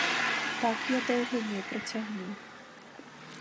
Так я доўга не працягну.